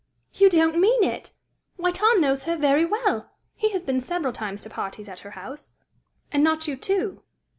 "You don't mean it! Why, Tom knows her very well! He has been several times to parties at her house." "And not you, too?"